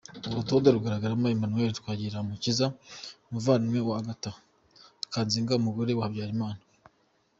Uru rutonde rugaragaramo Emmanuel Twagirumukiza umuvandimwe wa Agata Kanziga umugore wa Habyarimana.